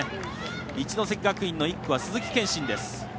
一関学院の１区は鈴木健真です。